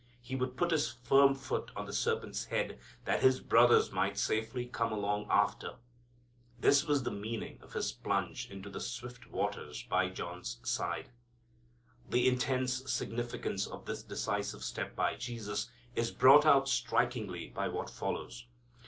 He would put His firm foot on the serpent's head that His brothers might safely come along after. This was the meaning of His plunge into the swift waters by John's side. The intense significance of this decisive step by Jesus is brought out strikingly by what follows.